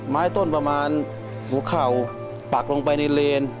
ไม้ต้นประมาณหัวเข่าปักลงไปในเลน